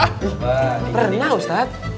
ah pernah ustadz